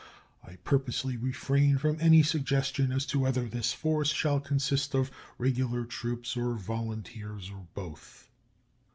I purposely refrain from any suggestion as to whether this force shall consist of regular troops or volunteers, or both.